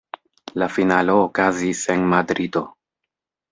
La finalo okazis en Madrido.